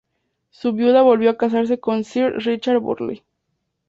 Su viuda volvió a casarse con Sir Richard Burley.